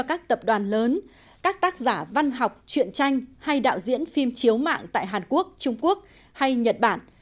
các tác giả văn học truyện tranh hay đạo diễn phim chiếu mạng tại hàn quốc trung quốc hay nhật bản